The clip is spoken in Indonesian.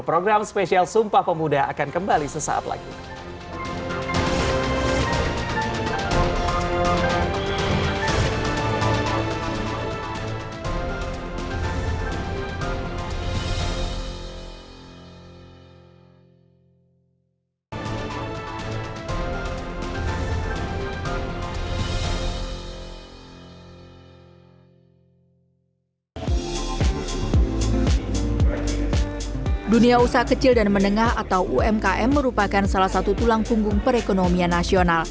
program spesial sumpah pemuda akan kembali sesaat lagi